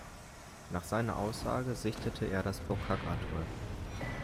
Nach seiner Aussage sichtete er das Bokak-Atoll.